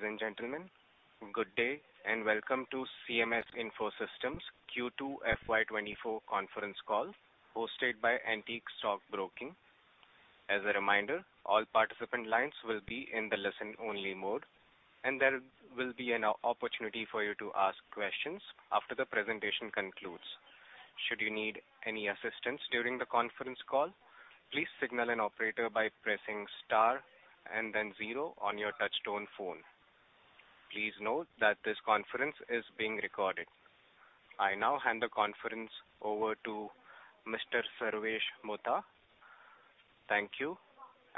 Ladies and gentlemen, good day, and welcome to CMS Info Systems Q2 FY 2024 conference call, hosted by Antique Stock Broking. As a reminder, all participant lines will be in the listen-only mode, and there will be an opportunity for you to ask questions after the presentation concludes. Should you need any assistance during the conference call, please signal an operator by pressing star and then zero on your touch-tone phone. Please note that this conference is being recorded. I now hand the conference over to Mr. Sarvesh Gupta. Thank you,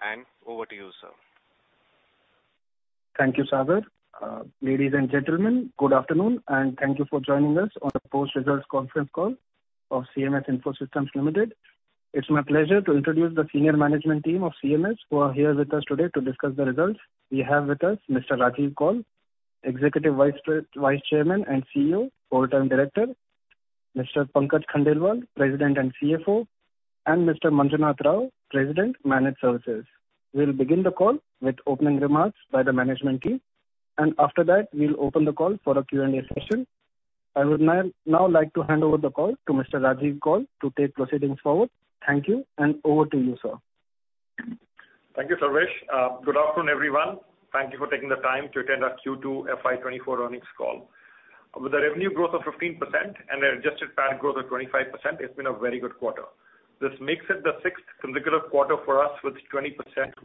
and over to you, sir. Thank you, Sagar. Ladies and gentlemen, good afternoon, and thank you for joining us on the post-results conference call of CMS Info Systems Limited. It's my pleasure to introduce the senior management team of CMS, who are here with us today to discuss the results. We have with us Mr. Rajiv Kaul, Executive Vice Chairman and CEO, full-time Director; Mr. Pankaj Khandelwal, President and CFO; and Mr. Manjunath Rao, President, Managed Services. We'll begin the call with opening remarks by the management team, and after that, we'll open the call for a Q&A session. I would now like to hand over the call to Mr. Rajiv Kaul to take proceedings forward. Thank you, and over to you, sir. Thank you, Sarvesh. Good afternoon, everyone. Thank you for taking the time to attend our Q2 FY 2024 earnings call. With a revenue growth of 15% and an adjusted PAT growth of 25%, it's been a very good quarter. This makes it the sixth consecutive quarter for us with 20%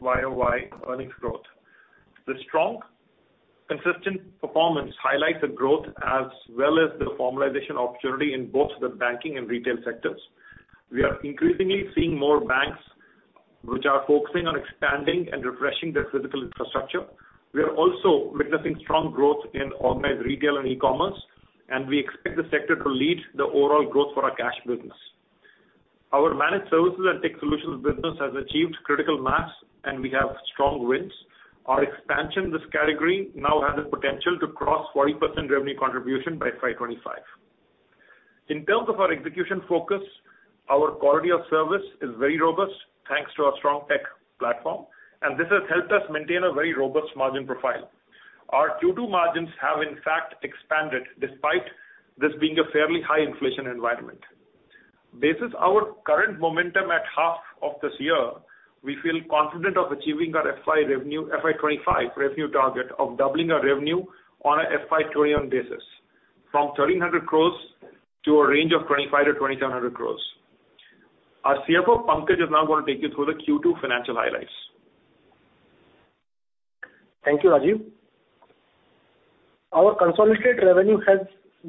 YoY earnings growth. The strong, consistent performance highlights the growth as well as the formalization opportunity in both the banking and retail sectors. We are increasingly seeing more banks which are focusing on expanding and refreshing their physical infrastructure. We are also witnessing strong growth in organized retail and e-commerce, and we expect the sector to lead the overall growth for our cash business. Our Managed Services and Tech Solutions business has achieved critical mass, and we have strong wins. Our expansion in this category now has the potential to cross 40% revenue contribution by FY 2025. In terms of our execution focus, our quality of service is very robust, thanks to our strong tech platform, and this has helped us maintain a very robust margin profile. Our Q2 margins have in fact expanded despite this being a fairly high inflation environment. Based on our current momentum at half of this year, we feel confident of achieving our FY revenue, FY 2025 revenue target of doubling our revenue on a FY 2021 basis, from 1,300 crores to a range of 2,500-2,700 crores. Our CFO, Pankaj, is now going to take you through the Q2 financial highlights. Thank you, Rajiv. Our consolidated revenue has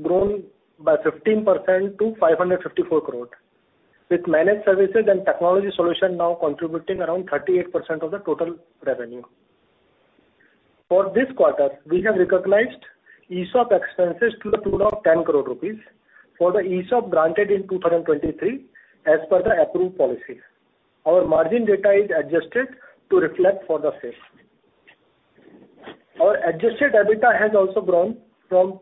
grown by 15% to 554 crore, with Managed Services and Technology Solution now contributing around 38% of the total revenue. For this quarter, we have recognized ESOP expenses to the tune of 10 crore rupees for the ESOP granted in 2023, as per the approved policy. Our margin data is adjusted to reflect for the same. Our adjusted EBITDA has also grown 15%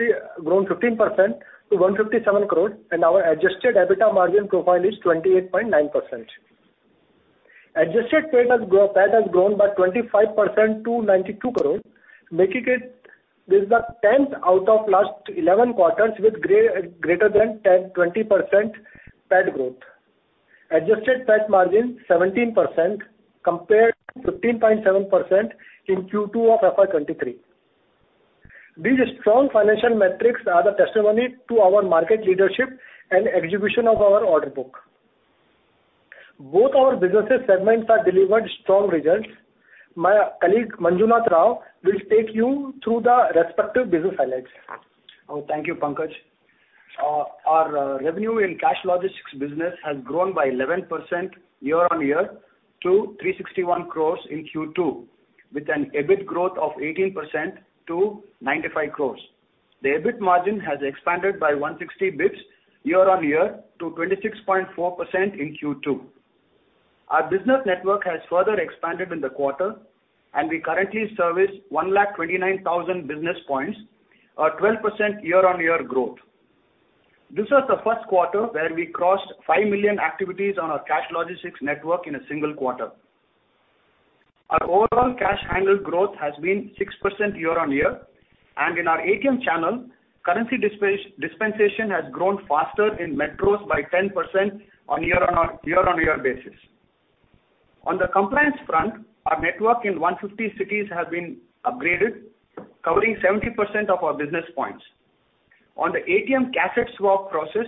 to 157 crore, and our adjusted EBITDA margin profile is 28.9%. Adjusted PAT has grown 25% to 92 crore, making it the tenth out of last eleven quarters with greater than 10-20% PAT growth. Adjusted PAT margin 17% compared to 15.7% in Q2 of FY 2023. These strong financial metrics are the testimony to our market leadership and execution of our order book. Both our business segments have delivered strong results. My colleague, Manjunath Rao, will take you through the respective business highlights. Oh, thank you, Pankaj. Our revenue in Cash Logistics business has grown by 11% year-on-year to 361 crore in Q2, with an EBIT growth of 18% to 95 crore. The EBIT margin has expanded by 160 basis points year-on-year to 26.4% in Q2. Our business network has further expanded in the quarter, and we currently service 129,000 business points, a 12% year-on-year growth. This was the first quarter where we crossed 5 million activities on our Cash Logistics network in a single quarter. Our overall cash handle growth has been 6% year-on-year, and in our ATM channel, currency dispensation has grown faster in metros by 10% year-on-year basis. On the compliance front, our network in 150 cities has been upgraded, covering 70% of our business points. On the ATM cassette swap process,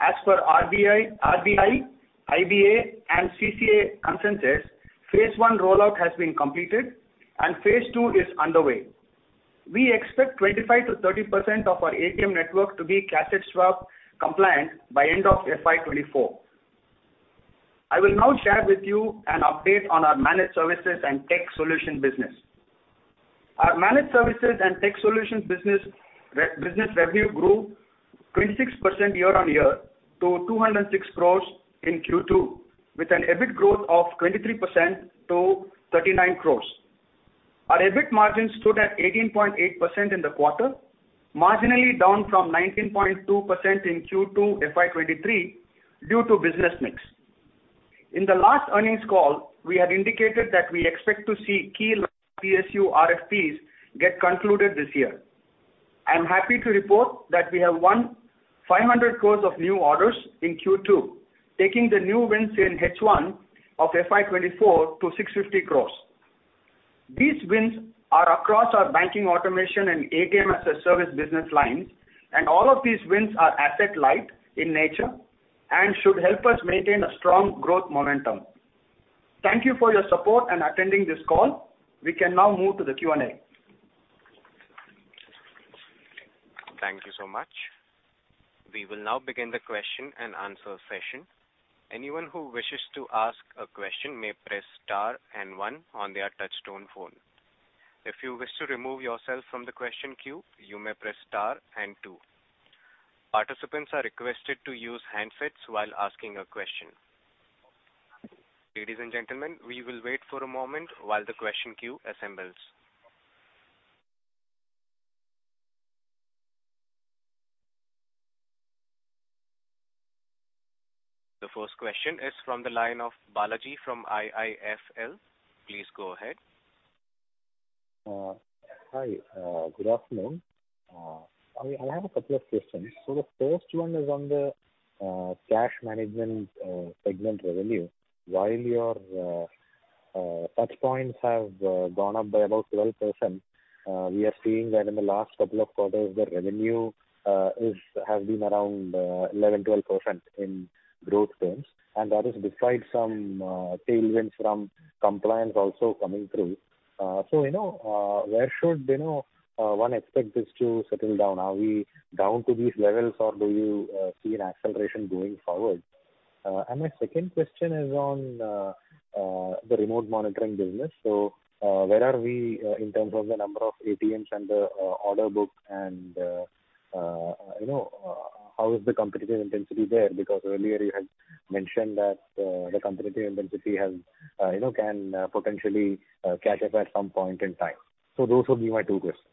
as per RBI, IBA and CLA consensus, phase one rollout has been completed and phase two is underway. We expect 25%-30% of our ATM network to be cassette swap compliant by end of FY 2024. I will now share with you an update on our Managed Services and tech solution business. Our Managed Services and Tech Solutions business, business revenue grew 26% year-on-year to 206 crore in Q2, with an EBIT growth of 23% to 39 crore. Our EBIT margin stood at 18.8% in the quarter, marginally down from 19.2% in Q2 FY 2023, due to business mix. In the last earnings call, we had indicated that we expect to see key PSU RFPs get concluded this year. I'm happy to report that we have won 500 crore of new orders in Q2, taking the new wins in H1 of FY 2024 to 650 crore. These wins are across our Banking Automation, and ATM-as-a-Service business lines, and all of these wins are asset light in nature and should help us maintain a strong growth momentum. Thank you for your support and attending this call. We can now move to the Q&A. Thank you so much. We will now begin the question and answer session. Anyone who wishes to ask a question may press star and one on their touch-tone phone. If you wish to remove yourself from the question queue, you may press star and two. Participants are requested to use handsets while asking a question. Ladies and gentlemen, we will wait for a moment while the question queue assembles. The first question is from the line of Balaji, from IIFL. Please go ahead. Hi, good afternoon. I have a couple of questions. So the first one is on the cash management segment revenue. While your touchpoints have gone up by about 12%, we are seeing that in the last couple of quarters, the revenue has been around 11%-12% in growth terms, and that is despite some tailwinds from compliance also coming through. So, you know, where should, you know, one expect this to settle down? Are we down to these levels, or do you see an acceleration going forward? And my second question is on the remote monitoring business. So, where are we in terms of the number of ATMs and the order book, and you know how is the competitive intensity there? Because earlier you had mentioned that, the competitive intensity has, you know, can, potentially, catch up at some point in time. So those would be my two questions.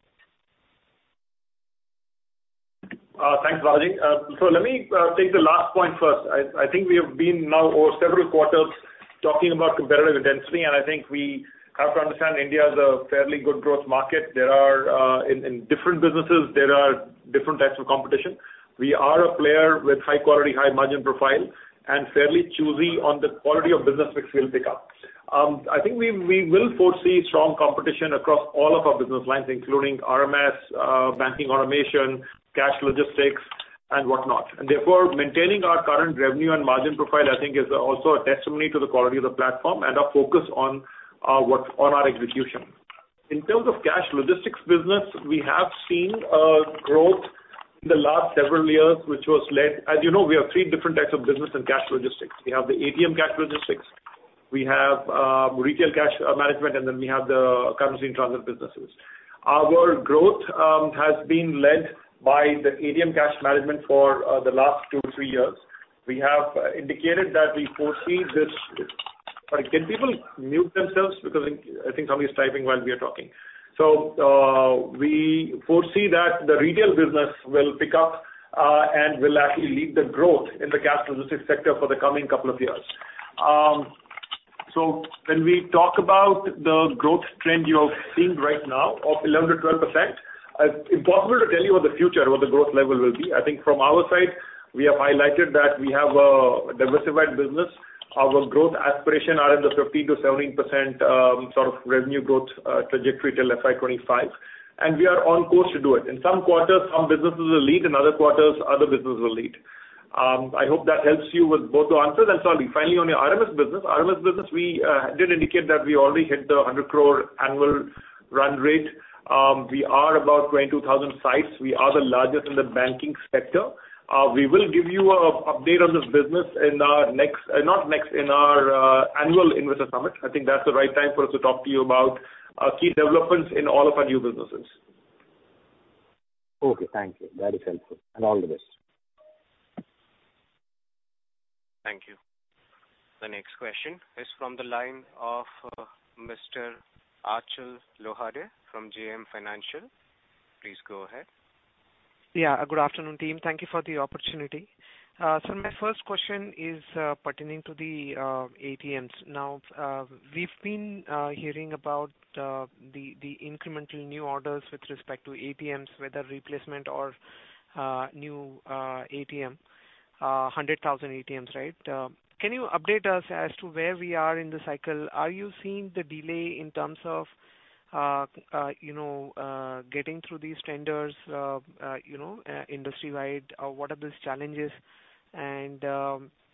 Thanks, Balaji. So let me take the last point first. I think we have been now over several quarters talking about competitive intensity, and I think we have to understand India is a fairly good growth market. There are in different businesses there are different types of competition. We are a player with high quality, high margin profile and fairly choosy on the quality of business which we'll pick up. I think we will foresee strong competition across all of our business lines, including RMS, banking, automation, Cash Logistics, and whatnot. And therefore, maintaining our current revenue and margin profile, I think, is also a testimony to the quality of the platform and our focus on on our execution. In terms of Cash Logistics business, we have seen a growth in the last several years, which was led... As you know, we have three different types of business in Cash Logistics. We have the ATM Cash Logistics, we have retail cash management, and then we have the currency in transit businesses. Our growth has been led by the ATM cash management for the last 2-3 years. We have indicated that we foresee this. Can people mute themselves? Because I think somebody is typing while we are talking. So, we foresee that the retail business will pick up, and will actually lead the growth in the Cash Logistics sector for the coming couple of years. So when we talk about the growth trend you are seeing right now of 11%-12%, impossible to tell you what the future, what the growth level will be. I think from our side, we have highlighted that we have a diversified business. Our growth aspiration are in the 15%-17% sort of revenue growth trajectory till FY 2025, and we are on course to do it. In some quarters, some businesses will lead, in other quarters, other businesses will lead. I hope that helps you with both the answers. Sorry, finally, on your RMS business. RMS business, we did indicate that we already hit the 100 crore annual run rate. We are about 22,000 sites. We are the largest in the banking sector. We will give you an update on this business in our next, not next, in our annual investor summit. I think that's the right time for us to talk to you about our key developments in all of our new businesses. Okay, thank you. That is helpful. And all the best. Thank you. The next question is from the line of Mr. Achal Lohade from JM Financial. Please go ahead. Yeah, good afternoon, team. Thank you for the opportunity. So my first question is pertaining to the ATMs. Now, we've been hearing about the incremental new orders with respect to ATMs, whether replacement or new ATM 100,000 ATMs, right? Can you update us as to where we are in the cycle? Are you seeing the delay in terms of you know getting through these tenders you know industry-wide? What are those challenges? And till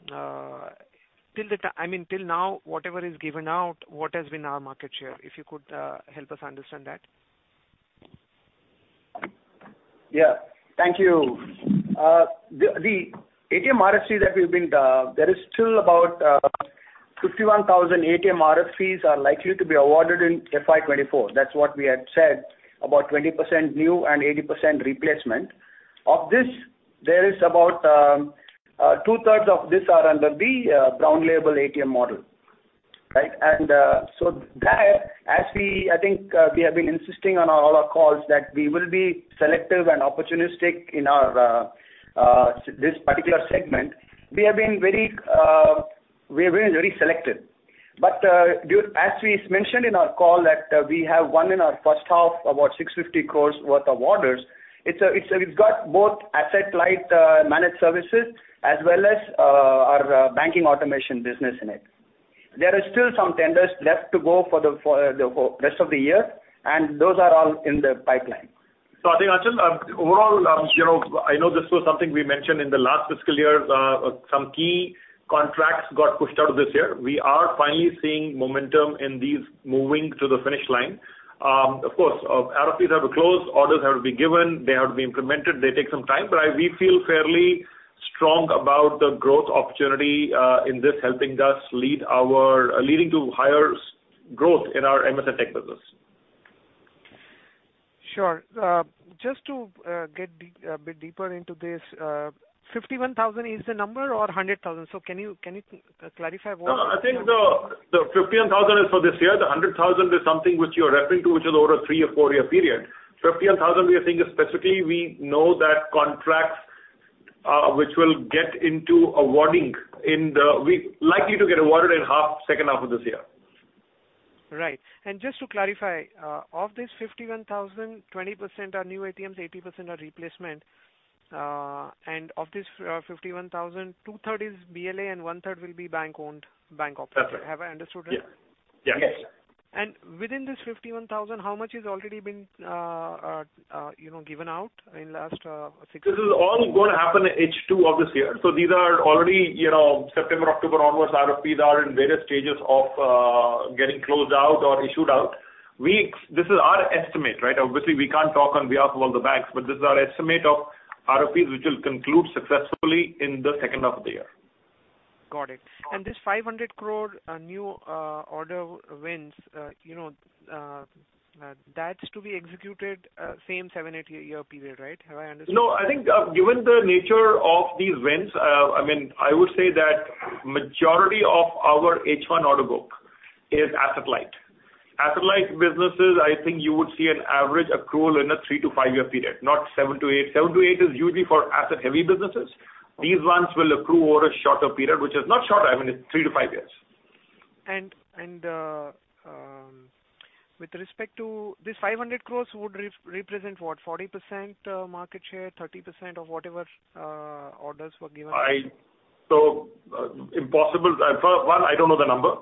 the time, I mean, till now, whatever is given out, what has been our market share? If you could help us understand that. Yeah. Thank you. The ATM RFPs that we've been, there is still about 51,000 ATM RFPs are likely to be awarded in FY 2024. That's what we had said, about 20% new and 80% replacement. Of this, there is about two-thirds of this are under the Brown Label ATM model. Right? So that as we, I think, we have been insisting on all our calls that we will be selective and opportunistic in our, this particular segment. We have been very, we have been very selective. But, as we mentioned in our call that, we have won in our first half about 650 crore worth of orders, it's, it's, we've got both asset-light, Managed Services as well as, our banking automation business in it. There are still some tenders left to go for the, for, the rest of the year, and those are all in the pipeline. So I think, Achal, overall, you know, I know this was something we mentioned in the last fiscal year, some key contracts got pushed out of this year. We are finally seeing momentum in these moving to the finish line. Of course, RFPs have to close, orders have to be given, they have to be implemented, they take some time. But we feel fairly strong about the growth opportunity, in this helping us lead our, leading to higher growth in our CMS & Tech business. Sure. Just to get a bit deeper into this, 51,000 is the number or 100,000? So can you, can you clarify more? No, I think the 51,000 is for this year. The 100,000 is something which you are referring to, which is over a 3- or 4-year period. 51,000, we are thinking specifically, we know that contracts which will get into awarding we likely to get awarded in half, second half of this year. Right. And just to clarify, of this 51,000, 20% are new ATMs, 80% are replacement. And of this, 51,000, two-thirds is BLA and one-third will be bank-owned, bank operated. That's it. Have I understood it? Yes. Yes. Yes. Within this 51,000, how much is already been, you know, given out in last 6 months? This is all going to happen in H2 of this year. So these are already, you know, September, October onwards, RFPs are in various stages of getting closed out or issued out. We— This is our estimate, right? Obviously, we can't talk on behalf of all the banks, but this is our estimate of RFPs, which will conclude successfully in the second half of the year. Got it. And this 500 crore new order wins, you know, that's to be executed same 7-8 year period, right? Have I understood? No, I think, given the nature of these wins, I mean, I would say that majority of our H1 order book is asset-light. Asset-light businesses, I think you would see an average accrual in a 3-5-year period, not 7-8. 7-8 is usually for asset-heavy businesses. These ones will accrue over a shorter period, which is not short, I mean, it's 3-5 years. With respect to this 500 crore would represent what? 40% market share, 30% of whatever orders were given? So impossible. Well, I don't know the number.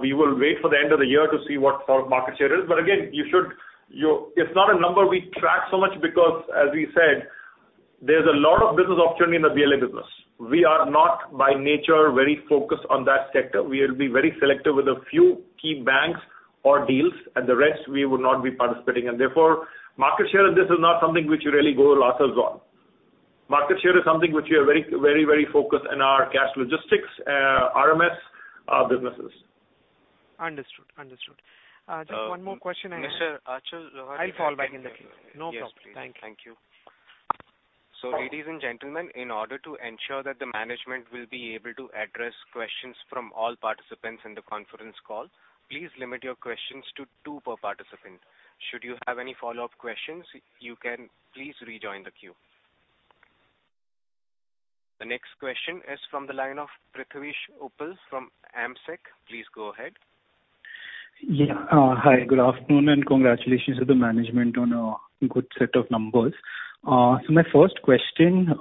We will wait for the end of the year to see what our market share is. But again, you should, you-- It's not a number we track so much because, as we said, there's a lot of business opportunity in the BLA business. We are not, by nature, very focused on that sector. We will be very selective with a few key banks or deals, and the rest we will not be participating. And therefore, market share, this is not something which we really go rafters on. Market share is something which we are very, very, very focused in our Cash Logistics, RMS, businesses. Understood. Understood. Just one more question I have. Mr. Achal Lohade I'll follow back in the queue. No problem. Yes, please. Thank you. Thank you. Ladies and gentlemen, in order to ensure that the management will be able to address questions from all participants in the conference call, please limit your questions to two per participant. Should you have any follow-up questions, you can please rejoin the queue. The next question is from the line of Prithvish Uppal from AMSEC. Please go ahead. Yeah. Hi, good afternoon, and congratulations to the management on a good set of numbers. So my first question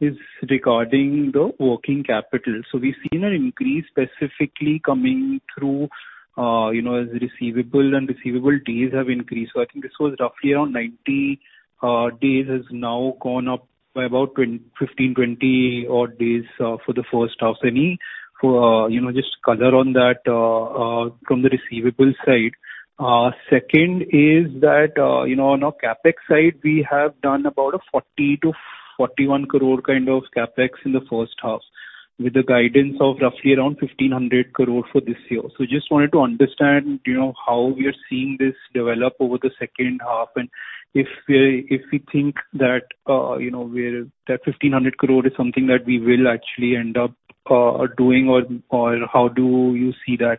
is regarding the working capital. So we've seen an increase specifically coming through, you know, as receivable and receivable days have increased. So I think this was roughly around 90 days, has now gone up by about fifteen, twenty odd days for the first half. Any, you know, just color on that from the receivable side. Second is that, you know, on a CapEx side, we have done about a 40-41 crore kind of CapEx in the first half, with a guidance of roughly around 1,500 crore for this year. So just wanted to understand, you know, how we are seeing this develop over the second half, and if we, if we think that, you know, we're, that 1,500 crore is something that we will actually end up doing, or, or how do you see that?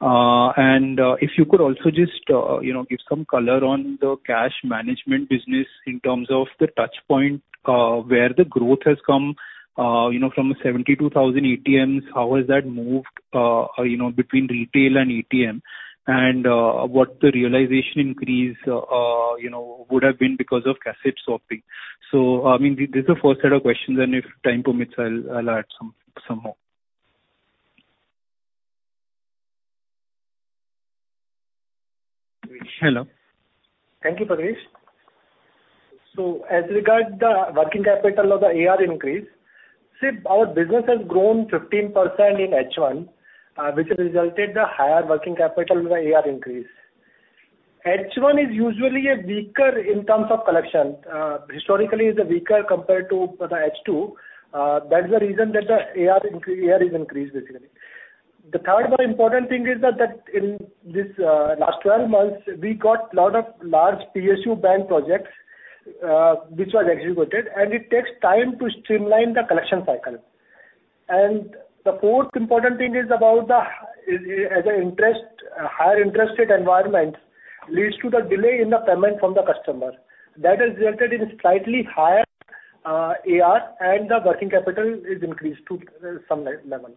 And, if you could also just, you know, give some color on the cash management business in terms of the touchpoint, where the growth has come, you know, from 72,000 ATMs, how has that moved, you know, between retail and ATM? And, what the realization increase, you know, would have been because of cassette swapping. So, I mean, this is the first set of questions, and if time permits, I'll, I'll add some, some more. Hello. Thank you, Prithvish. So as regard the working capital or the AR increase, see, our business has grown 15% in H1, which resulted the higher working capital with the AR increase. H1 is usually a weaker in terms of collection. Historically, it's weaker compared to the H2. That's the reason that the AR increase, AR is increased, basically. The third, but important thing is that, that in this, last 12 months, we got a lot of large PSU bank projects which was executed, and it takes time to streamline the collection cycle. The fourth important thing is about the, as an interest, a higher interest rate environment leads to the delay in the payment from the customer. That has resulted in slightly higher, AR, and the working capital is increased to some level.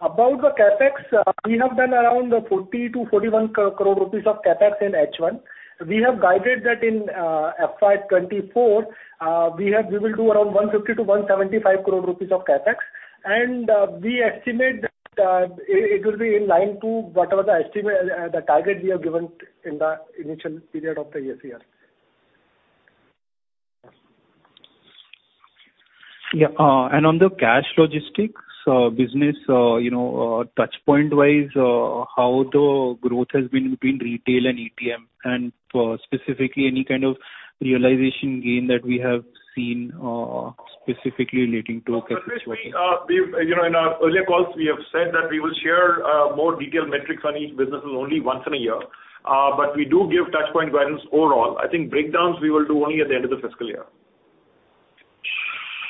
About the CapEx, we have done around 40-41 crore rupees of CapEx in H1. We have guided that in, FY 2024, we will do around 150-175 crore rupees of CapEx. We estimate that, it, it will be in line to whatever the estimate, the target we have given in the initial period of the year. Yeah, and on the Cash Logistics business, you know, touch point-wise, how the growth has been between retail and ATM, and specifically, any kind of realization gain that we have seen, specifically relating to cash? We, you know, in our earlier calls, we have said that we will share more detailed metrics on each businesses only once in a year. But we do give touch point guidance overall. I think breakdowns we will do only at the end of the fiscal year.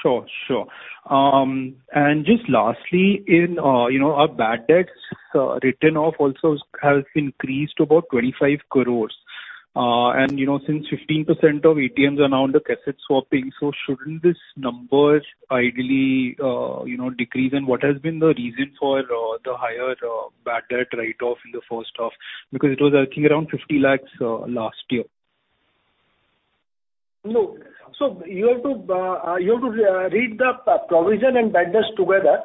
Sure, sure. And just lastly, in you know, our bad debts written off also has increased to about 25 crore. And, you know, since 15% of ATMs are now under cassette swapping, so shouldn't this number ideally, you know, decrease? And what has been the reason for the higher bad debt write-off in the first half? Because it was, I think, around 50 lakh last year. Look, so you have to read the provision and bad debts together.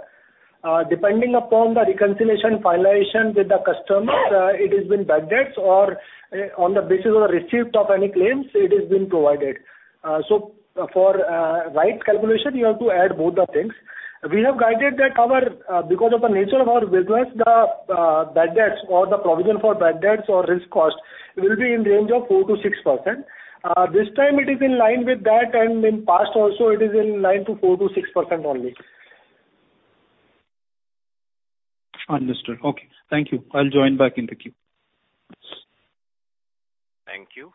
Depending upon the reconciliation, finalization with the customers, it has been bad debts or, on the basis of the receipt of any claims, it has been provided. So for right calculation, you have to add both the things. We have guided that our, because of the nature of our business, the bad debts or the provision for bad debts or risk cost will be in the range of 4%-6%. This time it is in line with that, and in past also, it is in line to 4%-6% only. Understood. Okay. Thank you. I'll join back in the queue. Thank you.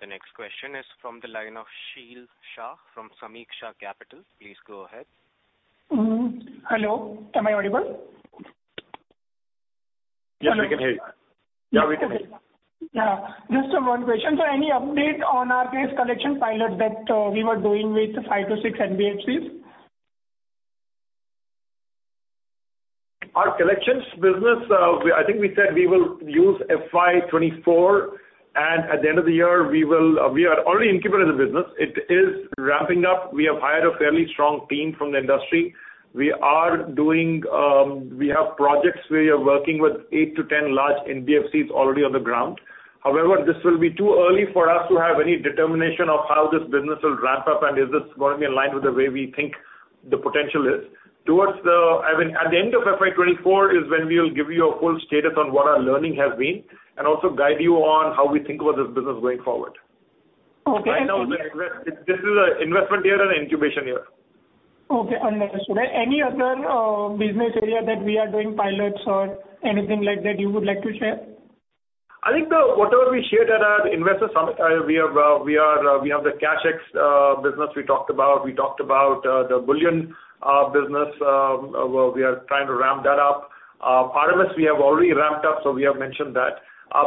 The next question is from the line of Bhavin Shah from Sameeksha Capital. Please go ahead. Hello, am I audible? Yes, we can hear you. Yeah, we can hear you. Yeah. Just one question: So any update on our cash collection pilot that we were doing with 5-6 NBFCs? Our collections business, I think we said we will use FY 2024, and at the end of the year, we will, we are already incubating the business. It is ramping up. We have hired a fairly strong team from the industry. We are doing, we have projects where we are working with 8-10 large NBFCs already on the ground. However, this will be too early for us to have any determination of how this business will ramp up and is this going to be in line with the way we think the potential is. Towards, I mean, at the end of FY 2024 is when we will give you a full status on what our learning has been, and also guide you on how we think about this business going forward. Okay. Right now, this is an investment year and an incubation year. Okay, understood. Any other business area that we are doing pilots or anything like that you would like to share? I think whatever we shared at our investor summit, we have the CashX business we talked about. We talked about the bullion business where we are trying to ramp that up. RMS, we have already ramped up, so we have mentioned that.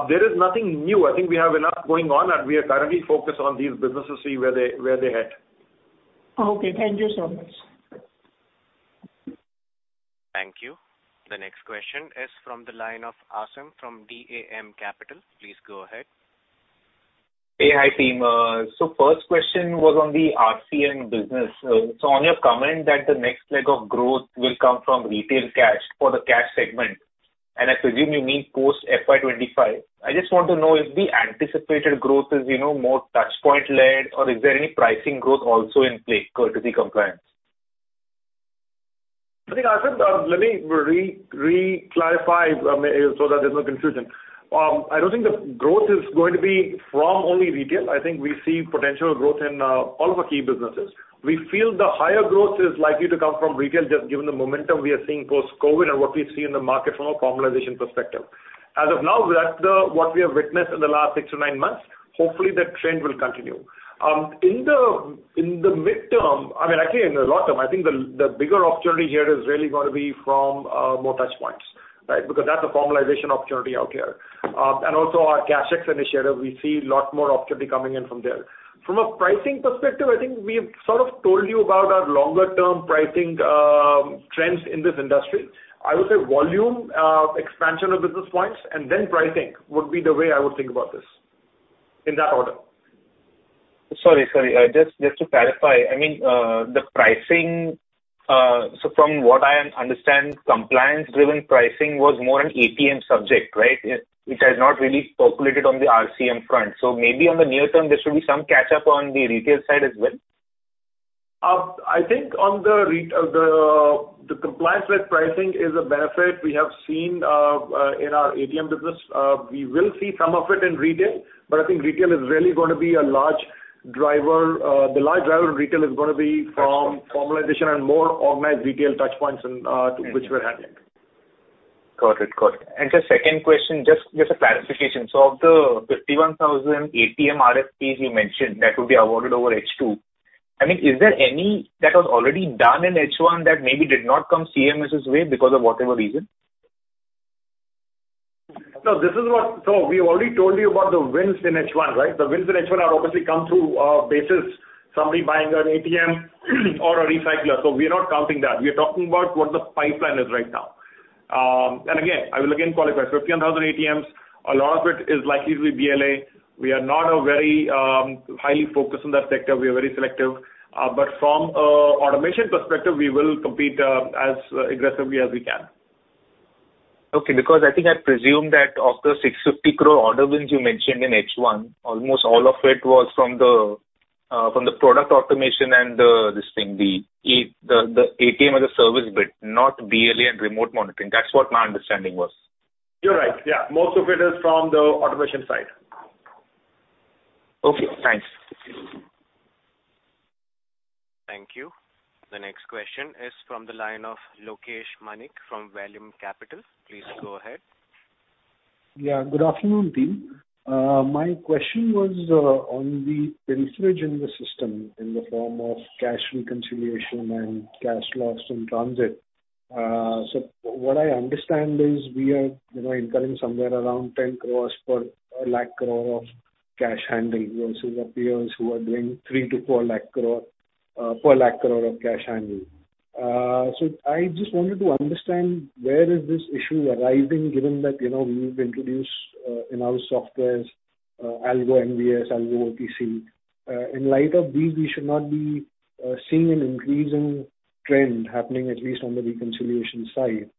There is nothing new. I think we have enough going on, and we are currently focused on these businesses to see where they head. Okay, thank you so much. Thank you. The next question is from the line of Aasim from DAM Capital. Please go ahead. Hey, hi, team. So first question was on the RCM business. So on your comment that the next leg of growth will come from retail cash for the cash segment, and I presume you mean post FY 25. I just want to know if the anticipated growth is, you know, more touch point led, or is there any pricing growth also in play courtesy compliance? I think, Asim, let me re-clarify, so that there's no confusion. I don't think the growth is going to be from only retail. I think we see potential growth in all of our key businesses. We feel the higher growth is likely to come from retail, just given the momentum we are seeing post-COVID and what we've seen in the market from a formalization perspective. As of now, that's what we have witnessed in the last 6-9 months. Hopefully, that trend will continue. In the midterm, I mean, actually, in the long term, I think the bigger opportunity here is really going to be from more touch points, right? Because that's a formalization opportunity out there. And also our CashX initiative, we see a lot more opportunity coming in from there. From a pricing perspective, I think we've sort of told you about our longer-term pricing, trends in this industry. I would say volume, expansion of business points, and then pricing would be the way I would think about this, in that order. Sorry, sorry, just, just to clarify, I mean, the pricing, so from what I understand, compliance-driven pricing was more an ATM subject, right? Which has not really populated on the RCM front. So maybe on the near term, there should be some catch-up on the retail side as well? I think on the compliance-led pricing is a benefit we have seen in our ATM business. We will see some of it in retail, but I think retail is really going to be a large driver. The large driver in retail is going to be from formalization and more organized retail touchpoints and which we're having. Got it. Got it. And the second question, just, just a clarification. So of the 51,000 ATM RFPs you mentioned that would be awarded over H2, I mean, is there any that was already done in H1 that maybe did not come CMS's way because of whatever reason? No, this is what. So we've already told you about the wins in H1, right? The wins in H1 are obviously come through, basis, somebody buying an ATM or a recycler. So we are not counting that. We are talking about what the pipeline is right now. And again, I will again qualify, 51,000 ATMs, a lot of it is likely to be BLA. We are not a very, highly focused on that sector. We are very selective. But from, automation perspective, we will compete, as aggressively as we can. Okay, because I think I presumed that of the 650 crore order wins you mentioned in H1, almost all of it was from the product automation and this thing, the ATM-as-a-Service bit, not BLA and remote monitoring. That's what my understanding was. You're right. Yeah, most of it is from the automation side. Okay, thanks. Thank you. The next question is from the line of Lokesh Manik from Vallum Capital. Please go ahead. Yeah, good afternoon, team. My question was on the leakage in the system in the form of cash reconciliation and cash loss in transit. So what I understand is we are, you know, incurring somewhere around 10 crore per lakh crore of cash handling versus our peers who are doing 3-4 crore per lakh crore of cash handling. So I just wanted to understand, where is this issue arising, given that, you know, we've introduced in our softwares ALGO MVS, ALGO OTC. In light of these, we should not be seeing an increase in trend happening, at least on the reconciliation side.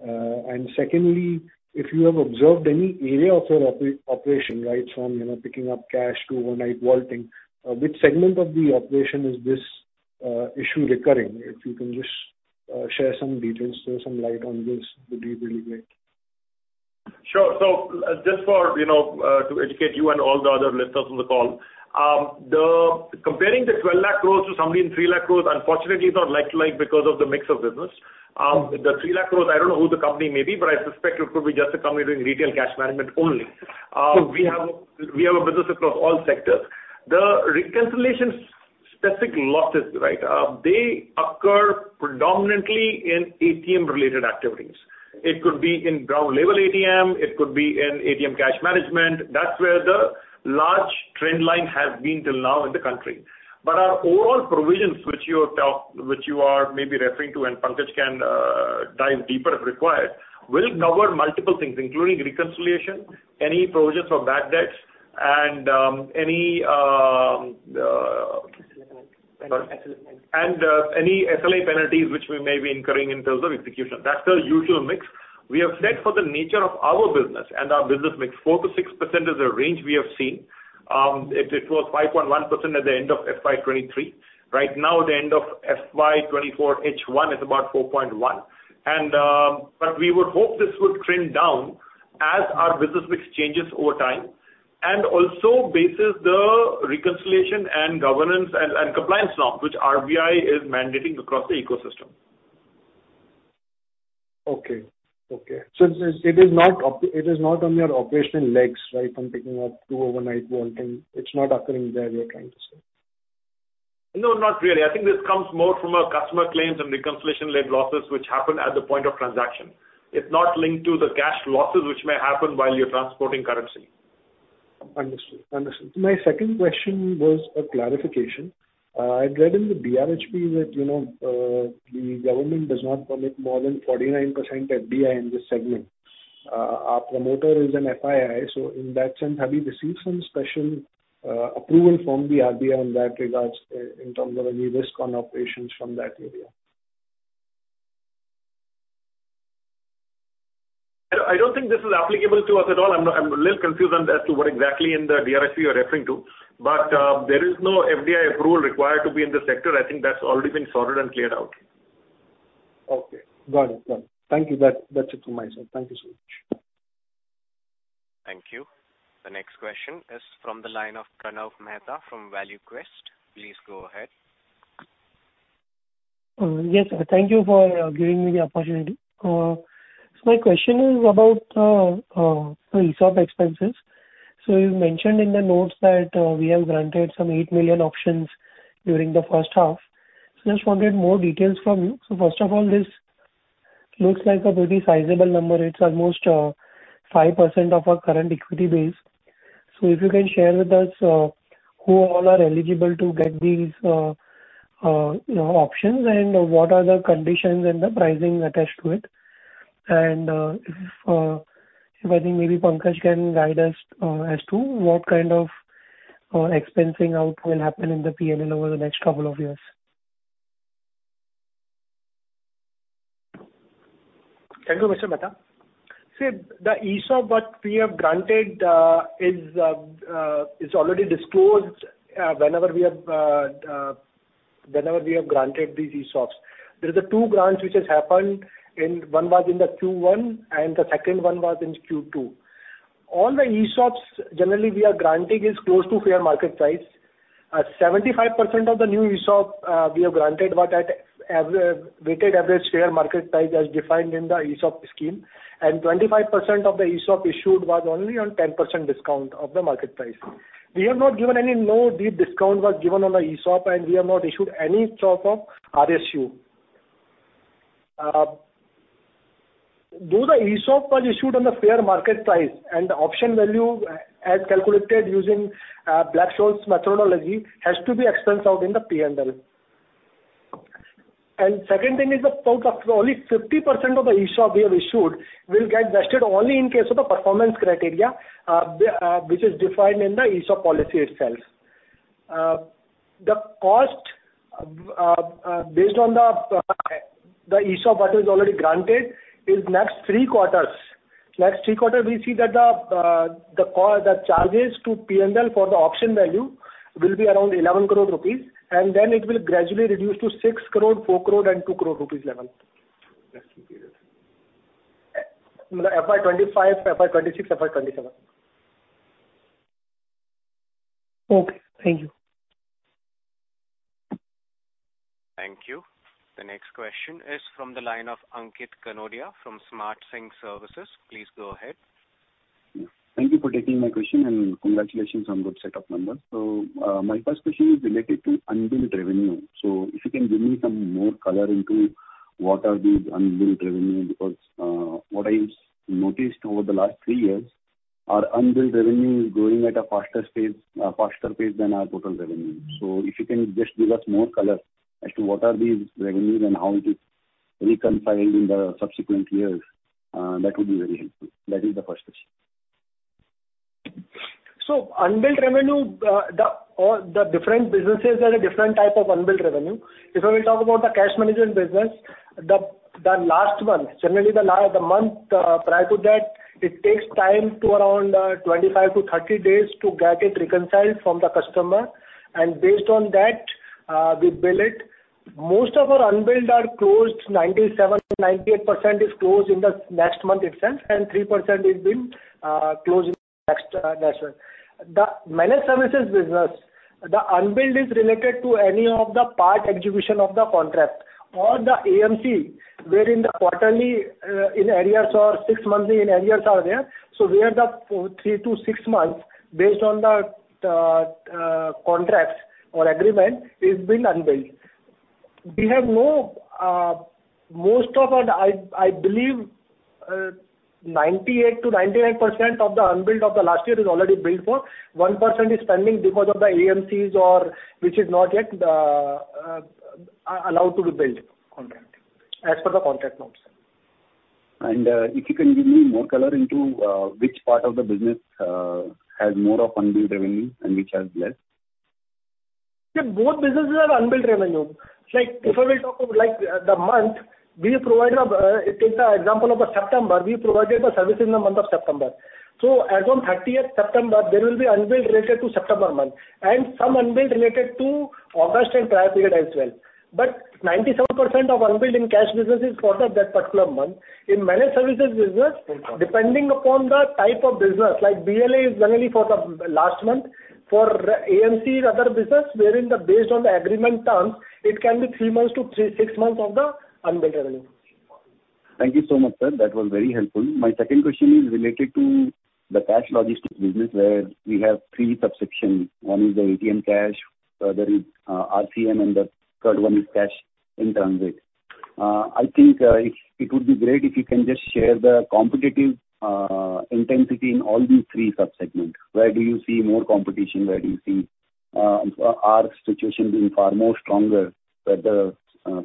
And secondly, if you have observed any area of your operation, right, from, you know, picking up cash to overnight vaulting, which segment of the operation is this issue recurring? If you can just share some details, throw some light on this, would be really great. Sure. So just for, you know, to educate you and all the other listeners on the call, the comparing the 1,200,000 crore to somebody in 300,000 crore, unfortunately, is not like to like because of the mix of business. The 300,000 crore, I don't know who the company may be, but I suspect it could be just a company doing retail cash management only. We have, we have a business across all sectors. The reconciliation specific losses, right, they occur predominantly in ATM-related activities. It could be in ground-level ATM, it could be in ATM cash management. That's where the large trend line has been till now in the country. But our overall provisions, which you have talked, which you are maybe referring to, and Pankaj can dive deeper as required, will cover multiple things, including reconciliation, any provisions for bad debts, and any SLA penalties. Any SLA penalties which we may be incurring in terms of execution. That's the usual mix. We have said for the nature of our business, and our business mix, 4%-6% is the range we have seen. It was 5.1% at the end of FY 2023. Right now, the end of FY 2024, H1 is about 4.1%. And but we would hope this would trend down as our business mix changes over time, and also bases the reconciliation and governance and compliance now, which RBI is mandating across the ecosystem. Okay. So it is not on your operational legs, right, from picking up to overnight vaulting. It's not occurring there, you're trying to say? No, not really. I think this comes more from a customer claims and reconciliation-led losses which happen at the point of transaction. It's not linked to the cash losses, which may happen while you're transporting currency. Understood. Understood. My second question was a clarification. I've read in the DRHP that, you know, the government does not permit more than 49% FDI in this segment. Our promoter is an FII, so in that sense, have you received some special approval from the RBI in that regard, in terms of any risk on operations from that area? I don't think this is applicable to us at all. I'm a little confused on as to what exactly in the DRHP you're referring to. But, there is no FDI approval required to be in the sector. I think that's already been sorted and cleared out. Okay. Got it. Got it. Thank you. That, that's it from my side. Thank you so much. Thank you. The next question is from the line of Kanav Mehta from ValueQuest. Please go ahead. Yes, thank you for giving me the opportunity. So my question is about the ESOP expenses. So you mentioned in the notes that we have granted some 8 million options during the first half. So I just wanted more details from you. So first of all, this looks like a pretty sizable number. It's almost 5% of our current equity base. So if you can share with us who all are eligible to get these, you know, options, and what are the conditions and the pricing attached to it? And if I think maybe Pankaj can guide us as to what kind of expensing out will happen in the PNL over the next couple of years. Thank you, Mr. Mehta. See, the ESOP what we have granted is already disclosed whenever we have granted these ESOPs. There is 2 grants which has happened, and one was in the Q1, and the second one was in Q2. All the ESOPs generally we are granting is close to fair market price. 75% of the new ESOP we have granted were at average weighted average share market price as defined in the ESOP scheme, and 25% of the ESOP issued was only on 10% discount of the market price. We have not given any no deep discount was given on the ESOP, and we have not issued any type of RSU. Though the ESOP was issued on the fair market price and the option value, as calculated using Black-Scholes methodology, has to be expensed out in the P&L. Second thing is the only 50% of the ESOP we have issued will get vested only in case of a performance criteria, which is defined in the ESOP policy itself. The cost based on the ESOP what is already granted is next three quarters. Next three quarter, we see that the charges to P&L for the option value will be around 11 crore rupees, and then it will gradually reduce to 6 crore, 4 crore and 2 crore rupees level. Next period. FY 2025, FY 2026, FY 2027. Okay, thank you. Thank you. The next question is from the line of Ankit Kanodia from Smart Sync Services. Please go ahead. Thank you for taking my question, and congratulations on good set of numbers. So, my first question is related to unbilled revenue. So if you can give me some more color into what are these unbilled revenue? Because, what I've noticed over the last three years, our unbilled revenue is growing at a faster space, faster pace than our total revenue. So if you can just give us more color as to what are these revenues and how it is reconciled in the subsequent years, that would be very helpful. That is the first question. So unbilled revenue, or the different businesses have a different type of unbilled revenue. If I will talk about the cash management business, the last month, generally the month prior to that, it takes time to around 25-30 days to get it reconciled from the customer, and based on that, we bill it. Most of our unbilled are closed, 97%-98% is closed in the next month itself, and 3% is being closed next month. The Managed Services business, the unbilled is related to any of the part execution of the contract or the AMC, wherein the quarterly in arrears or six monthly in arrears are there. So where the 3-6 months, based on the contracts or agreement, is being unbilled. We have no, most of our... I believe 98%-98% of the unbilled of the last year is already billed for. 1% is pending because of the AMCs, or which is not yet allowed to be billed contract, as per the contract notes. If you can give me more color into which part of the business has more of unbilled revenue and which has less? Yeah, both businesses have unbilled revenue. Like, if I will talk of, like, the month, we have provided a, take the example of September. We provided the service in the month of September. So as on 30th September, there will be unbilled related to September month, and some unbilled related to August and prior period as well. But 97% of unbilled in cash business is for the that particular month. In Managed Services business, depending upon the type of business, like BLA is generally for the last month. For AMC's other business, wherein the, based on the agreement terms, it can be 3 months to 3, 6 months of the unbilled revenue. Thank you so much, sir. That was very helpful. My second question is related to the Cash Logistics business, where we have three subsections. One is the ATM cash, RCM, and the third one is cash in transit. I think it would be great if you can just share the competitive intensity in all these three sub-segments. Where do you see more competition? Where do you see our situation being far more stronger, where the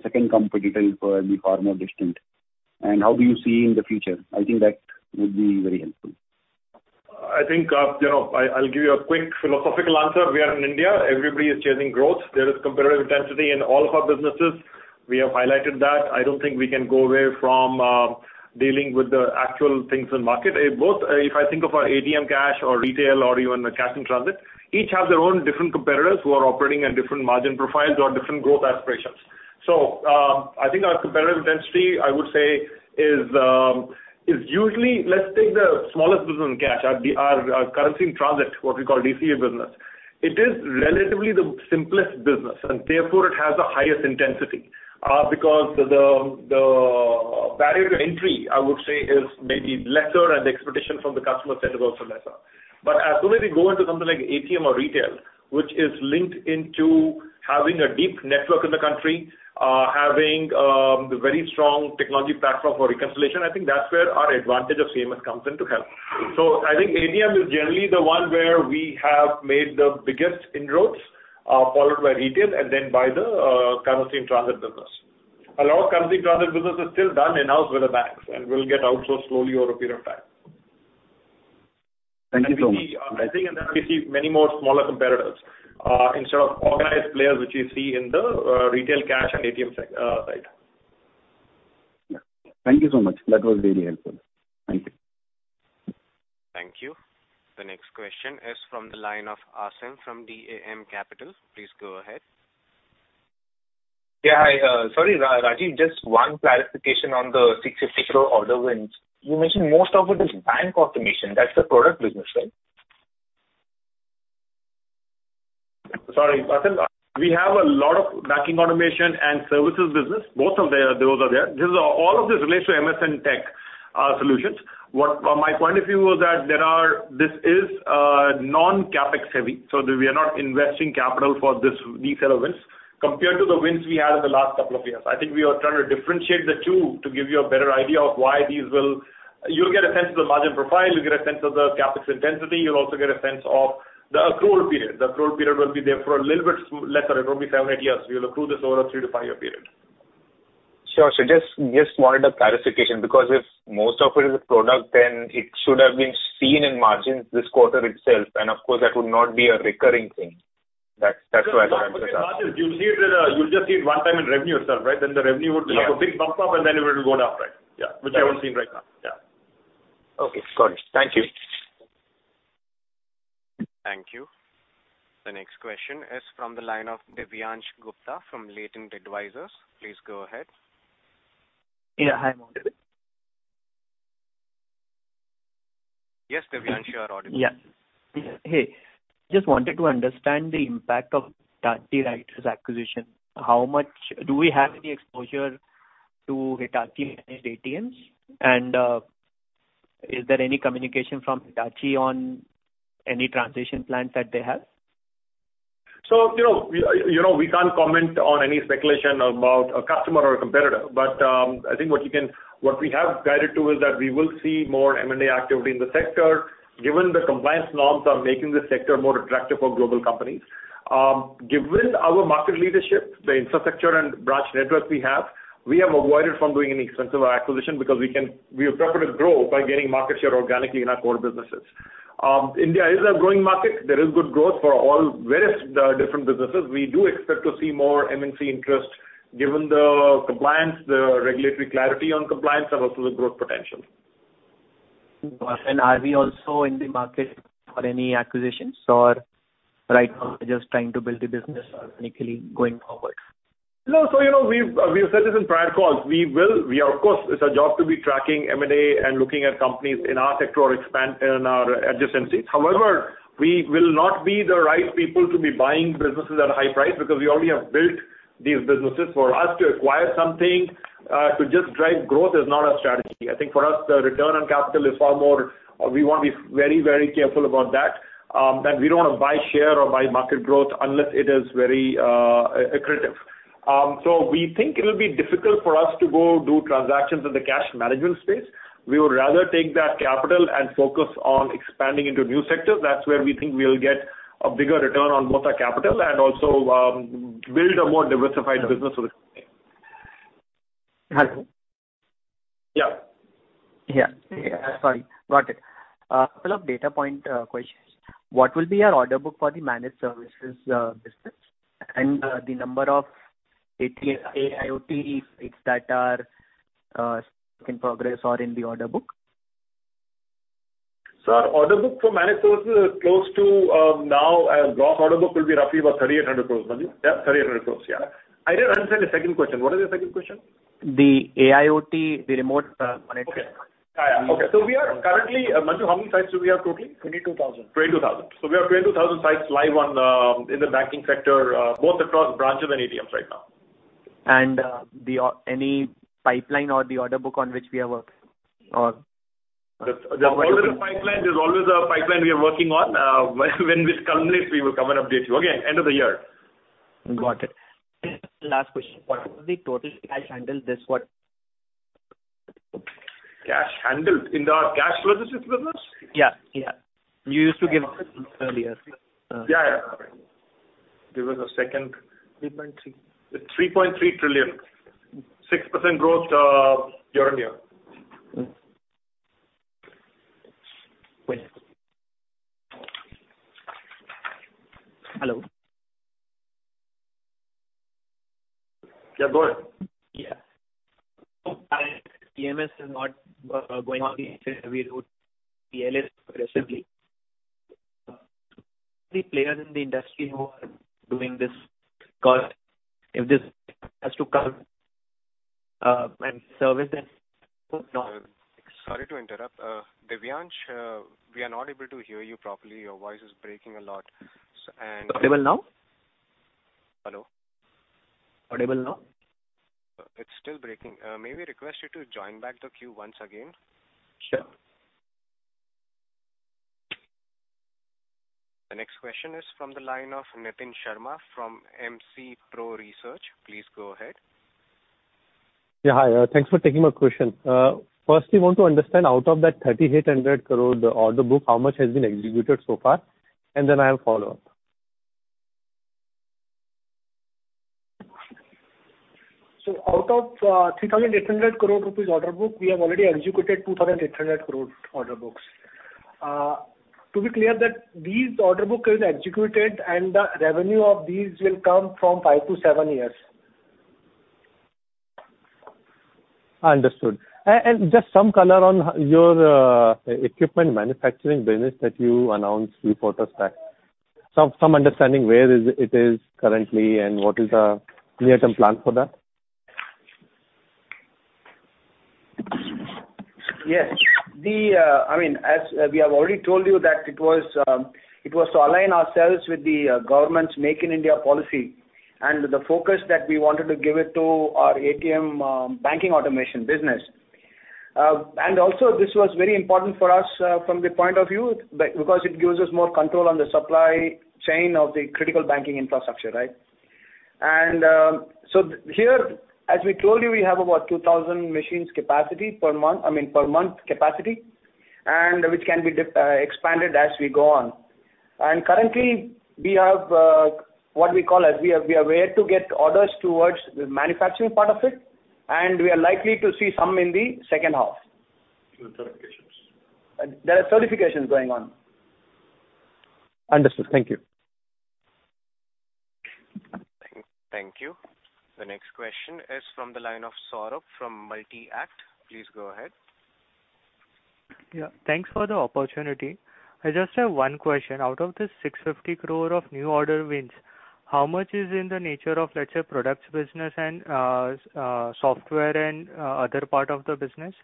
second competitor is be far more distant? And how do you see in the future? I think that would be very helpful. I think, you know, I, I'll give you a quick philosophical answer. We are in India. Everybody is chasing growth. There is competitive intensity in all of our businesses. We have highlighted that. I don't think we can go away from, dealing with the actual things in market. Both, if I think of our ATM cash or retail or even the cash in transit, each have their own different competitors who are operating at different margin profiles or different growth aspirations. So, I think our competitive intensity, I would say, is usually... Let's take the smallest business in cash, our currency in transit, what we call DCV business. It is relatively the simplest business, and therefore, it has the highest intensity, because the barrier to entry, I would say, is maybe lesser, and the expectation from the customer set is also lesser. But as soon as we go into something like ATM or retail, which is linked into having a deep network in the country, having a very strong technology platform for reconciliation, I think that's where our advantage of CMS comes into help. So I think ATM is generally the one where we have made the biggest inroads, followed by retail and then by the currency in transit business. A lot of currency in transit business is still done in-house with the banks, and will get outsourced slowly over a period of time. Thank you so much. I think, and then we see many more smaller competitors instead of organized players, which you see in the retail cash and ATM side. Yeah. Thank you so much. That was really helpful. Thank you. Thank you. The next question is from the line of Aasim from DAM Capital. Please go ahead. Yeah, I, sorry, Rajiv, just one clarification on the 650 crore order wins. You mentioned most of it is bank automation. That's the product business, right? Sorry, Vatsal, we have a lot of banking automation and services business. Both of they, those are there. This is all, all of this relates to MS & Tech solutions. What-- my point of view was that there are... This is non-CapEx heavy, so we are not investing capital for this, these set of wins. Compared to the wins we had in the last couple of years, I think we are trying to differentiate the two to give you a better idea of why these will- You'll get a sense of the margin profile, you'll get a sense of the CapEx intensity, you'll also get a sense of the accrual period. The accrual period will be there for a little bit less, it will be 7, 8 years. We will accrue this over a 3-5-year period. Sure. So just, just wanted a clarification, because if most of it is a product, then it should have been seen in margins this quarter itself, and of course, that would not be a recurring thing. That's, that's why I'm asking. You'll see it, you'll just see it one time in revenue itself, right? Then the revenue would- Yeah. have a big bump up, and then it will go down, right? Yeah. Yeah. Which I haven't seen right now. Yeah. Okay, got it. Thank you. Thank you. The next question is from the line of Divyansh Gupta from Latent Advisors. Please go ahead. Yeah, hi. Yes, Divyansh, you are audible. Yeah. Hey, just wanted to understand the impact of Hitachi Writer's acquisition. Do we have any exposure to Hitachi and its ATMs? And, is there any communication from Hitachi on any transition plans that they have? So, you know, you know, we can't comment on any speculation about a customer or a competitor, but, I think what we have guided to is that we will see more M&A activity in the sector, given the compliance norms are making the sector more attractive for global companies. Given our market leadership, the infrastructure and branch network we have, we have avoided from doing any extensive acquisition because we have preferred to grow by gaining market share organically in our core businesses. India is a growing market. There is good growth for all various, different businesses. We do expect to see more MNC interest, given the compliance, the regulatory clarity on compliance and also the growth potential. Are we also in the market for any acquisitions, or right now, we're just trying to build the business organically going forward? No, so you know, we've said this in prior calls, we will. We are, of course, it's our job to be tracking M&A and looking at companies in our sector or expand in our adjacencies. However, we will not be the right people to be buying businesses at a high price because we already have built these businesses. For us to acquire something to just drive growth is not our strategy. I think for us, the return on capital is far more, we want to be very, very careful about that. And we don't want to buy share or buy market growth unless it is very accretive. So we think it'll be difficult for us to go do transactions in the cash management space. We would rather take that capital and focus on expanding into new sectors. That's where we think we'll get a bigger return on both our capital and also, build a more diversified business for this. Hello? Yeah. Yeah. Yeah, sorry. Got it. Couple of data point questions. What will be your order book for the Managed Services business, and the number of ATM AIoT sites that are in progress or in the order book? So our order book for Managed Services is close to now, block order book will be roughly about 3,800 crore. Manju? Yeah, 3,800 crore. Yeah. I didn't understand the second question. What is the second question? The AIoT, the remote management. Okay. Yeah, yeah. Okay, so we are currently... Manju, how many sites do we have totally? 22,000. 22,000. So we have 22,000 sites live in the banking sector, both across branches and ATMs right now. Any pipeline or the order book on which we are working on? There's always a pipeline. There's always a pipeline we are working on. When this comes, we will come and update you. Okay, end of the year. Got it. Last question. What? What was the total cash handled this quarter? Cash handled, in the cash services business? Yeah, yeah. You used to give earlier, Yeah, yeah. Give us a second. 3.3. 3.3 trillion. 6% growth, year-on-year. Great. Hello. Yeah, go ahead. Yeah. CMS is not, going on the Sorry to interrupt. Divyansh, we are not able to hear you properly. Your voice is breaking a lot. Audible now? Hello? Audible now? It's still breaking. May we request you to join back the queue once again? Sure. The next question is from the line of Nitin Sharma from MC Pro Research. Please go ahead. Yeah, hi. Thanks for taking my question. First, we want to understand out of that 3,800 crore, the order book, how much has been executed so far? And then I have follow-up. So out of 3,800 crore rupees order book, we have already executed 2,800 crore order books. To be clear, that these order book is executed, and the revenue of these will come from 5-7 years. Understood. And just some color on your equipment manufacturing business that you announced before the stack. Some understanding where it is currently and what is the near-term plan for that? Yes. The, I mean, as we have already told you, that it was, it was to align ourselves with the, government's Make in India policy, and the focus that we wanted to give it to our ATM, banking automation business. And also, this was very important for us, from the point of view, because it gives us more control on the supply chain of the critical banking infrastructure, right? And, so here, as we told you, we have about 2,000 machines capacity per month, I mean, per month capacity, and which can be expanded as we go on. And currently, we have, what we call as we are, we are way to get orders towards the manufacturing part of it, and we are likely to see some in the second half. There are certifications. There are certifications going on. Understood. Thank you. Thank you. The next question is from the line of Saurabh from Multi-Act. Please go ahead. Yeah, thanks for the opportunity. I just have one question. Out of this 650 crore of new order wins, how much is in the nature of, let's say, products, business, and software and other part of the business?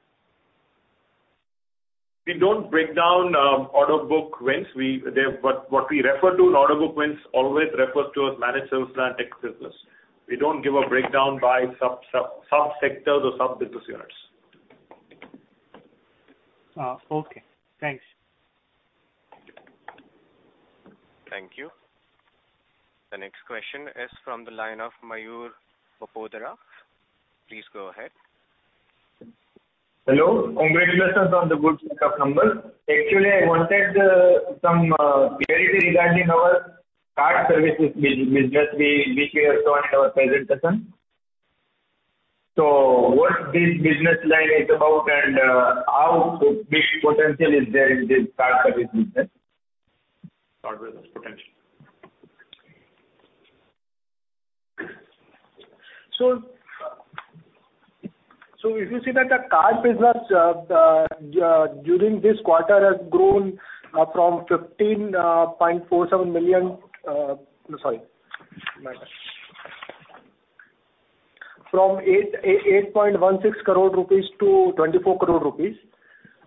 We don't break down order book wins. What we refer to order book wins always refers to as Managed Services and tech business. We don't give a breakdown by sub-sectors or sub-business units. Okay. Thanks. Thank you. The next question is from the line of Mayur Parkeria. Please go ahead. Hello. Congratulations on the good pick up numbers. Actually, I wanted some clarity regarding our card services business. We saw in our presentation. So what this business line is about, and how big potential is there in this card services business? Card business potential. So if you see that the card business during this quarter has grown from 15.47 million, sorry. From 8.16 crore rupees to 24 crore rupees.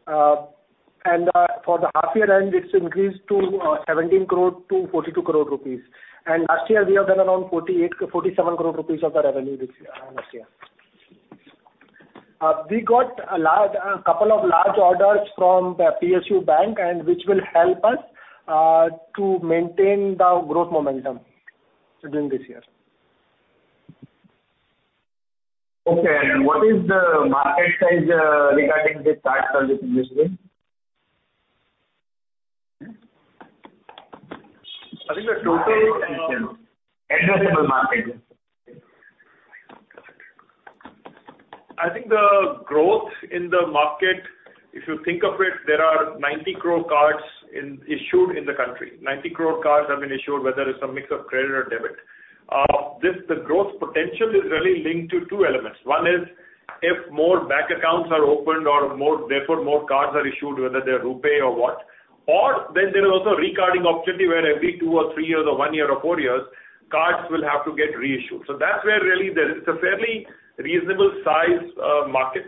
And for the half year end, it's increased to 17 crore-42 crore rupees. And last year, we have done around 48, 47 crore rupees of the revenue this last year. We got a large, a couple of large orders from the PSU bank and which will help us to maintain the growth momentum during this year. Okay. What is the market size regarding this card service industry? I think the total- Addressable market. I think the growth in the market, if you think of it, there are 90 crore cards issued in the country. 90 crore cards have been issued, whether it's a mix of credit or debit. This, the growth potential is really linked to two elements. One is, if more bank accounts are opened or more, therefore more cards are issued, whether they're RuPay or what. Or then there is also a recarding opportunity where every two or three years or one year or four years, cards will have to get reissued. So that's where really there is a fairly reasonable size market.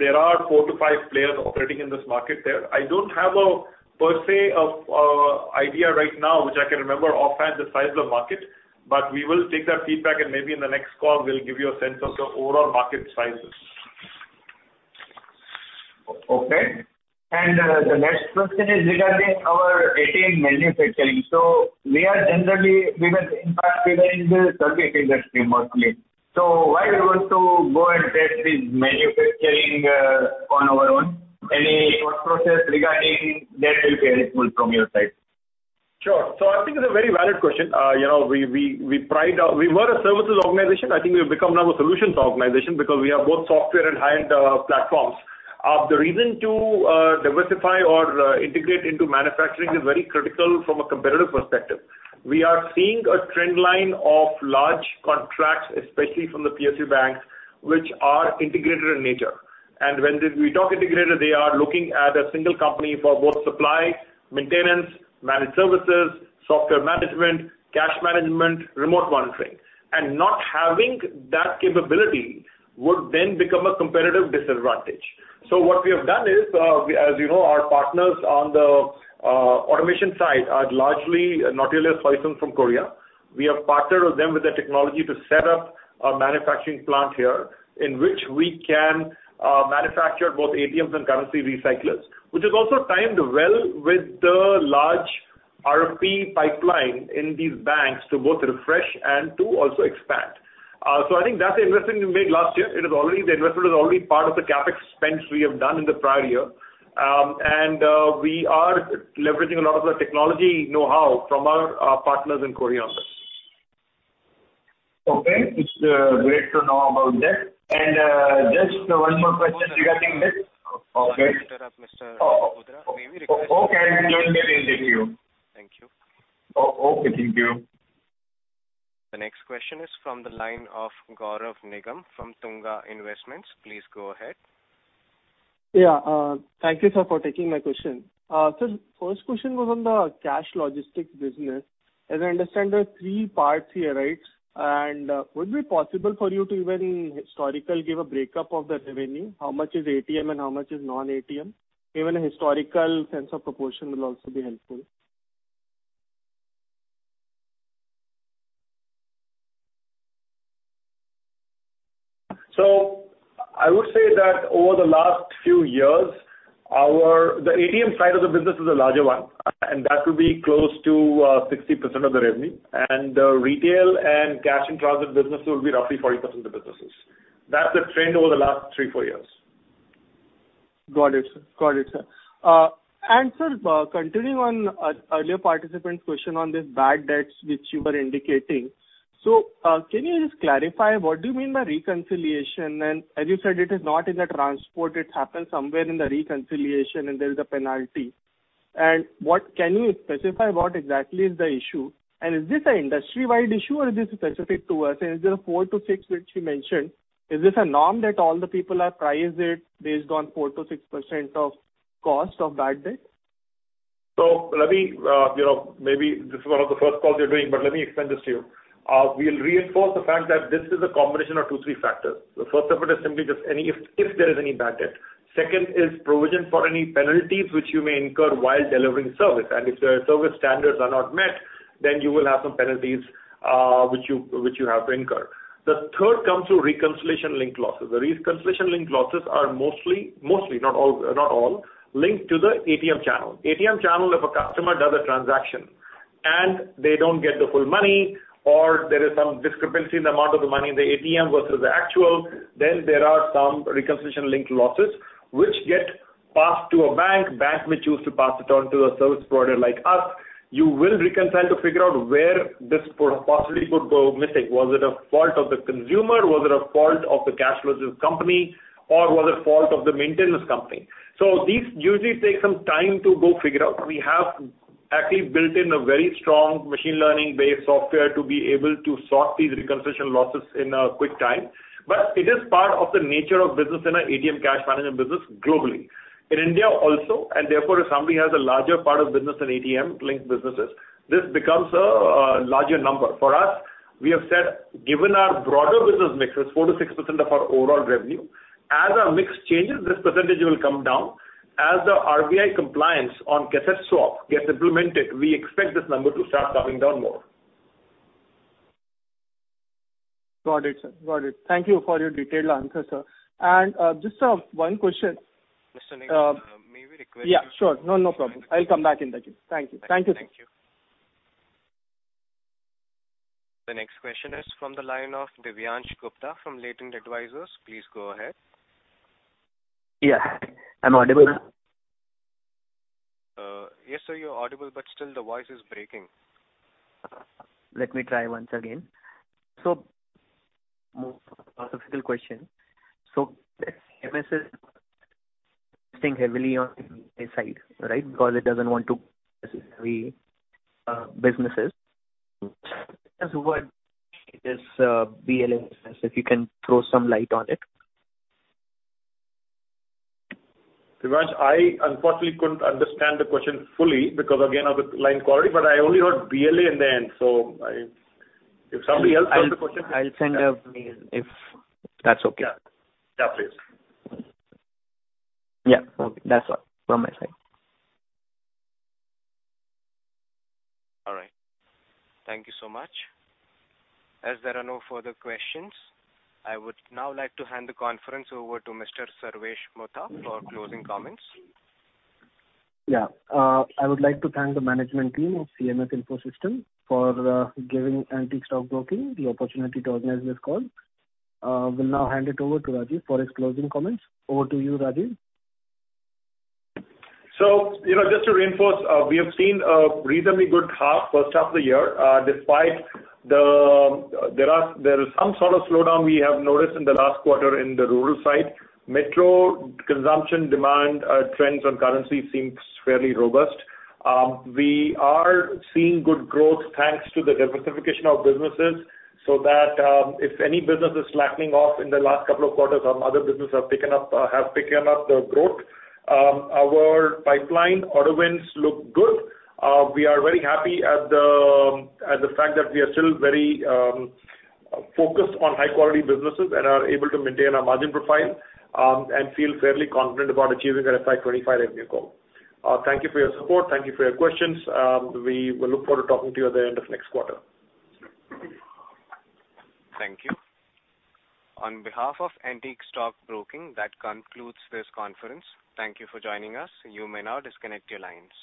There are 4-5 players operating in this market there. I don't have a per se idea right now, which I can remember offhand the size of the market, but we will take that feedback, and maybe in the next call, we'll give you a sense of the overall market sizes. Okay. And the next question is regarding our ATM manufacturing. So we are generally, we were in fact, we were in the service industry, mostly. So why we want to go and get this manufacturing on our own? Any thought process regarding that will be helpful from your side. Sure. So I think it's a very valid question. You know, we were a services organization. I think we've become now a solutions organization because we have both software and high-end platforms. The reason to diversify or integrate into manufacturing is very critical from a competitive perspective. We are seeing a trend line of large contracts, especially from the PSU banks, which are integrated in nature. And when we talk integrated, they are looking at a single company for both supply, maintenance, Managed Services, software management, cash management, remote monitoring. And not having that capability would then become a competitive disadvantage. So what we have done is, as you know, our partners on the automation side are largely Nautilus Hyosung from Korea. We have partnered with them with the technology to set up a manufacturing plant here, in which we can manufacture both ATMs and currency recyclers, which is also timed well with the large RFP pipeline in these banks to both refresh and to also expand. So I think that's the investment we made last year. It is already, the investment is already part of the CapEx spends we have done in the prior year. And we are leveraging a lot of the technology know-how from our partners in Korea on this. Okay. It's great to know about that. And just one more question regarding this. Mr. Parkeria- Oh. May we request- Okay, then thank you. Thank you. Okay. Thank you. The next question is from the line of Gaurav Nigam from Tunga Investments. Please go ahead. Yeah, thank you, sir, for taking my question. Sir, first question was on the Cash Logistics business. As I understand, there are three parts here, right? Would it be possible for you to even historically give a breakup of the revenue? How much is ATM and how much is non-ATM? Even a historical sense of proportion will also be helpful. I would say that over the last few years, our ATM side of the business is a larger one, and that would be close to 60% of the revenue. Retail and cash-in-transit businesses will be roughly 40% of the businesses. That's the trend over the last three, four years. Got it, sir. Got it, sir. And sir, continuing on earlier participant's question on this bad debts, which you were indicating. So, can you just clarify, what do you mean by reconciliation? And as you said, it is not in the transport, it happens somewhere in the reconciliation, and there is a penalty. And what can you specify what exactly is the issue? And is this an industry-wide issue or is this specific to us? And is there a 4-6, which you mentioned, is this a norm that all the people have priced it based on 4%-6% of cost of bad debt? So let me, you know, maybe this is one of the first calls you're doing, but let me explain this to you. We'll reinforce the fact that this is a combination of two, three factors. The first of it is simply just any, if there is any bad debt. Second is provision for any penalties which you may incur while delivering service, and if the service standards are not met, then you will have some penalties, which you have to incur. The third comes through reconciliation-linked losses. The reconciliation-linked losses are mostly, not all, linked to the ATM channel. ATM channel, if a customer does a transaction and they don't get the full money or there is some discrepancy in the amount of the money in the ATM versus the actual, then there are some reconciliation-linked losses which get passed to a bank. Bank may choose to pass it on to a service provider like us. You will reconcile to figure out where this possibly could go missing. Was it a fault of the consumer? Was it a fault of the Cash Logistics company, or was it fault of the maintenance company? So these usually take some time to go figure out. We have actually built in a very strong machine learning-based software to be able to sort these reconciliation losses in a quick time. But it is part of the nature of business in an ATM cash management business globally. In India also, and therefore, if somebody has a larger part of business in ATM-linked businesses, this becomes a larger number. For us, we have said, given our broader business mix, it's 4%-6% of our overall revenue. As our mix changes, this percentage will come down. As the RBI compliance on cassette swap gets implemented, we expect this number to start coming down more. Got it, sir. Got it. Thank you for your detailed answer, sir. And, just, one question. Mr. Nigam, may we request you- Yeah, sure. No, no problem. I'll come back in touch. Thank you. Thank you. Thank you. The next question is from the line of Divyansh Gupta from Latent Advisors. Please go ahead. Yeah. I'm audible? Yes, sir, you're audible, but still the voice is breaking. Let me try once again. So more specific question. So MS is investing heavily on a side, right? Because it doesn't want to necessarily businesses. As what this BLA business, if you can throw some light on it. Divyansh, I unfortunately couldn't understand the question fully because, again, of the line quality, but I only heard BLA in the end, so I... If somebody else heard the question- I'll send a mail, if that's okay. Yeah. Yeah, please. Yeah. Okay. That's all from my side. All right. Thank you so much. As there are no further questions, I would now like to hand the conference over to Mr. Sarvesh Gupta for closing comments. Yeah. I would like to thank the management team of CMS Info Systems for giving Antique Stock Broking the opportunity to organize this call. Will now hand it over to Rajiv for his closing comments. Over to you, Rajiv. So, you know, just to reinforce, we have seen a reasonably good half, first half of the year, despite the, there is some sort of slowdown we have noticed in the last quarter in the rural side. Metro consumption demand trends on currency seems fairly robust. We are seeing good growth, thanks to the diversification of businesses, so that, if any business is slackening off in the last couple of quarters, other businesses have picked up the growth. Our pipeline order wins look good. We are very happy at the fact that we are still very focused on high-quality businesses and are able to maintain our margin profile, and feel fairly confident about achieving our FY 25 revenue goal. Thank you for your support. Thank you for your questions. We look forward to talking to you at the end of next quarter. Thank you. On behalf of Antique Stock Broking, that concludes this conference. Thank you for joining us. You may now disconnect your lines.